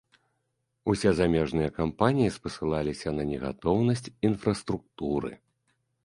Усе замежныя кампаніі спасылаліся на негатоўнасць інфраструктуры.